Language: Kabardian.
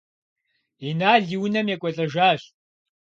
Инал и унэм екӏуэлӏэжащ.